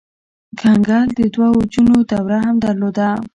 کنګل د دوه اوجونو دوره هم درلوده.